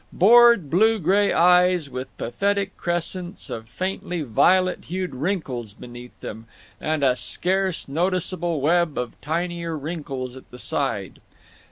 Bored blue gray eyes, with pathetic crescents of faintly violet hued wrinkles beneath them, and a scarce noticeable web of tinier wrinkles at the side.